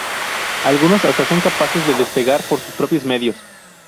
Algunos hasta son capaces de despegar por sus propios medios.